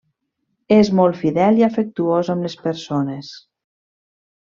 És molt fidel i afectuós amb les persones.